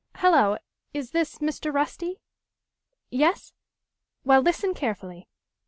"Hello is this Mr. Rusty?... Yes? Well, listen carefully.